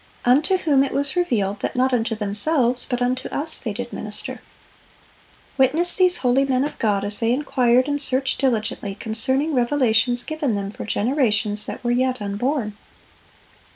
"Unto whom it was revealed that not unto themselves, but unto us they did minister." Witness those holy men of God as they "inquired and searched diligently" concerning revelations given them for generations that were yet unborn.